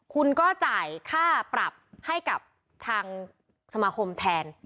คุณก็จ่ายค่าปรับให้กับทางสมาคมแทน